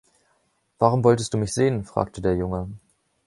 „Warum wolltest du mich sehen?“ fragte der Junge.